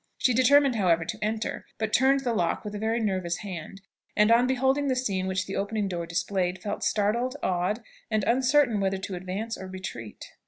She determined, however, to enter; but turned the lock with a very nervous hand, and on beholding the scene which the opening door displayed, felt startled, awed, and uncertain whether to advance or retreat.